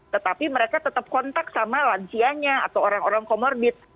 tetapi mereka tetap kontak sama lansianya atau orang orang comorbid